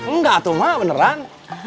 enggak tuh ma beneran